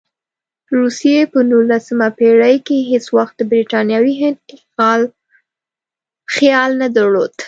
روسیې په نولسمه پېړۍ کې هېڅ وخت د برټانوي هند اشغال خیال نه درلود.